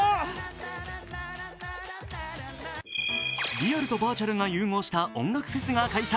リアルとバーチャルが融合した音楽フェスが開催。